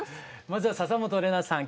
まずは笹本玲奈さん